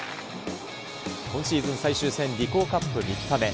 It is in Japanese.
今シーズン最終戦リコーカップ３日目。